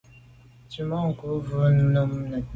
Tswemanko’ vù mum nenà.